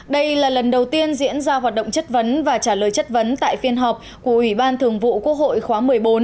đây là lần đầu tiên diễn ra hoạt động chất vấn và trả lời chất vấn tại phiên họp của ủy ban thường vụ quốc hội khóa một mươi bốn